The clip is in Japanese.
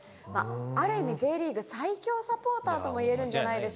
ある意味Ｊリーグ最強サポーターともいえるんじゃないんでしょうか。